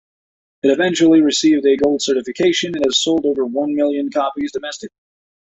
It eventually received a gold certification, and has sold over one million copies domestically.